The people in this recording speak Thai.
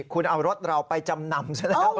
คุณเอารถเราไปจำนำ